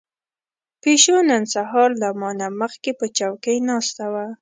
پيشو نن سهار له ما نه مخکې په چوکۍ ناسته وه.